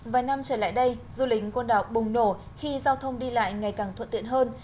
vài năm trở lại đây du lịch con đảo bùng nổ khi giao thông đi lại ngày càng thuận tiện hơn